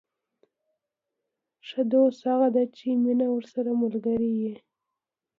ښه دوستي هغه ده، چي مینه ورسره ملګرې يي.